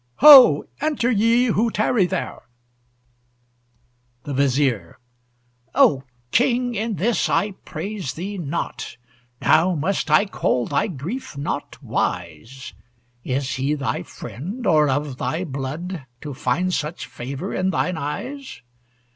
Ho! enter ye who tarry there! THE VIZIER O King, in this I praise thee not. Now must I call thy grief not wise, Is he thy friend, or of thy blood, To find such favor in thine eyes?